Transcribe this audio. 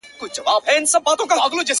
زه چي غرغړې ته ورختلم اسمان څه ویل-